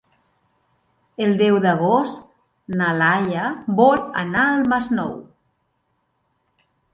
El deu d'agost na Laia vol anar al Masnou.